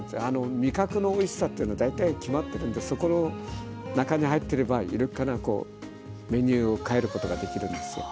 味覚のおいしさっていうのは大体決まってるんでそこの中に入ってればメニューを変えることができるんですよ。